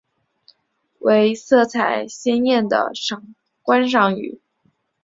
为色彩鲜艳的观赏鱼。